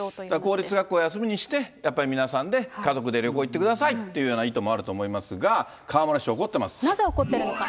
公立学校休みにして、やっぱり皆さんで、家族で旅行に行ってくださいっていうような意図もあると思いますが、河村市長怒ってなぜ怒っているのか。